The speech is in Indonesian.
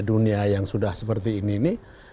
dunia yang sudah seperti ini ini